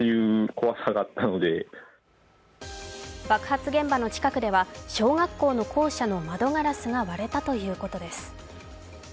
爆発現場の近くでは小学校の校舎の窓ガラスが割れたということです。